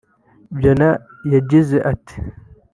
Byonna yagize ati